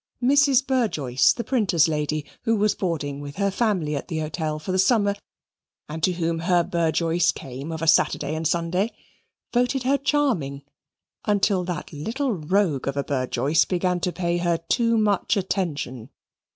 Mrs. Burjoice, the printer's lady, who was boarding with her family at the hotel for the summer, and to whom her Burjoice came of a Saturday and Sunday, voted her charming, until that little rogue of a Burjoice began to pay her too much attention.